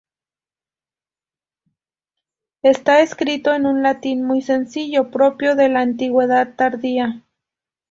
Está escrito en un latín muy sencillo propio de la antigüedad tardía.